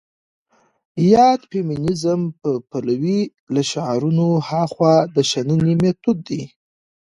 يا د فيمنيزم په پلوۍ له شعارونو هاخوا د شننې مېتود دى.